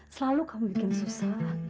selalu kamu bikin susah